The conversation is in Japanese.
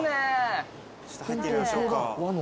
ちょっと入ってみましょうか。